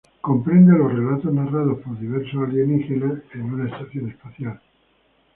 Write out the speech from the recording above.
Comprende los relatos narrados por diversos alienígenas en una estación espacial.